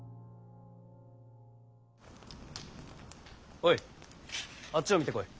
おいあっちを見てこい。